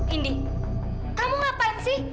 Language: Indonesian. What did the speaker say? indi kamu ngapain sih